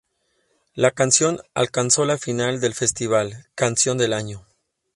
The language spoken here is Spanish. La canción alcanzó la final del festival "Canción del Año".